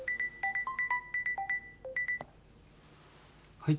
はい。